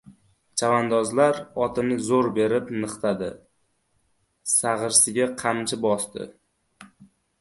Chavandozlar otini zo‘r berib niqtadi, sag‘risiga qamchi bosdi.